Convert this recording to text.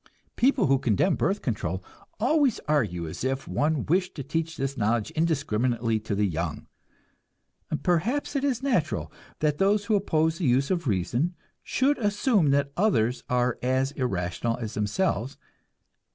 People who condemn birth control always argue as if one wished to teach this knowledge indiscriminately to the young. Perhaps it is natural that those who oppose the use of reason should assume that others are as irrational as themselves.